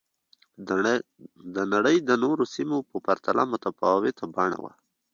د نړۍ د نورو سیمو په پرتله متفاوته بڼه وه